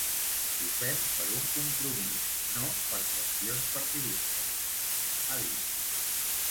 Ho fem per un compromís, no per qüestions partidistes, ha dit.